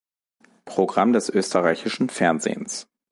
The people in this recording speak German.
Programm des Österreichischen Fernsehens.